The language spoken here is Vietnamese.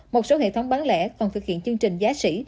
một số hệ thống bán lẻ còn thực hiện chương trình giá sĩ